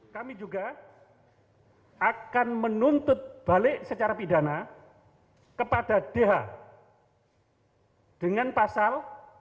kami juga akan menuntut balik secara pidana kepada dh dengan pasal